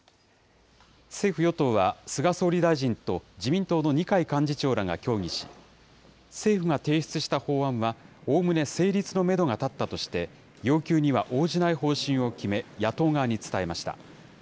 政府・与党は、菅総理大臣と自民党の二階幹事長らが協議し、政府が提出した法案はおおむね成立のメドが立ったとして、要求には応じない方針を決め、野党側に伝えました。